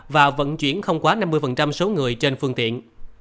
và vận chuyển không quá năm mươi số người trên phương tiện